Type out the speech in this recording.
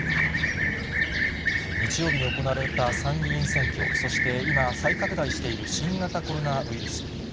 日曜日に行われた参議院選挙、そして今、再拡大している新型コロナウイルス。